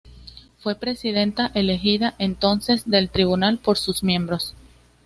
Fue Presidenta elegida entonces del tribunal por sus miembros.